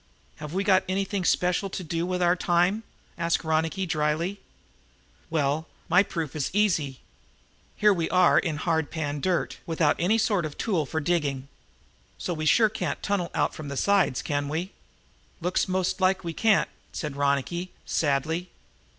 "Have we got anything special to do with our time?" asked Ronicky dryly. "Well, my proof is easy. Here we are in hard pan dirt, without any sort of a tool for digging. So we sure can't tunnel out from the sides, can we?" "Looks most like we can't," said Ronicky sadly.